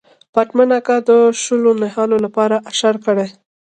پتمن اکا د شولو نهال لپاره اشر کړی.